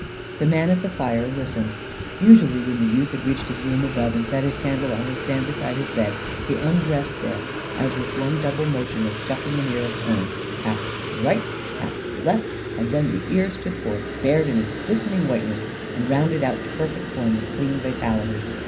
The man at the fire listened. Usually when the youth had reached his room above and set his candle on his stand beside his bed, he undressed there as with one double motion of shucking an ear of corn: half to right and half to left; and then the ear stood forth bared in its glistening whiteness and rounded out to perfect form with clean vitality.